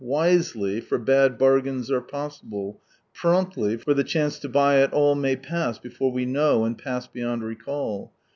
Wisely, for bad bargains are possible ; promptly, for the chance to buy at all may pass before we know, and pass beyond recall.